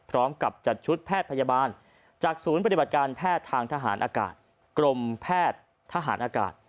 พร้อมกับจัดชุดแพทย์พยาบาลจากศูนย์ปฏิบัติการแพทย์ทางทหารอากาศกรมแพทย์ทหารอากาศ